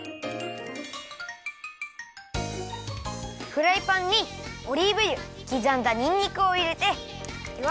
フライパンにオリーブ油きざんだにんにくをいれてよ